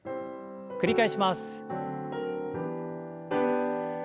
繰り返します。